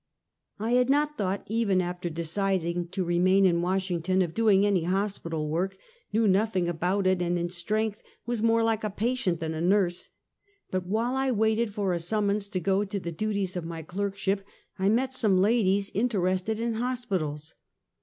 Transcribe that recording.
I HAD not thought, even after deciding to remain in Washington, of doing any hospital work — knew noth ing about it; and in strength was more like a patient than a nurse; but while I waited for a summons to go to the duties of my clerkship, I met some ladies inter ested in hospitals.